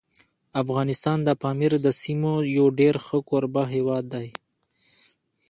افغانستان د پامیر د سیمو یو ډېر ښه کوربه هیواد دی.